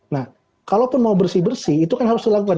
nah kalaupun mau bersih bersih itu kan harus dilakukan